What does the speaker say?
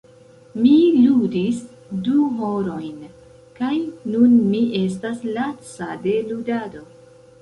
Mi ludis du horojn kaj nun mi estas laca de ludado.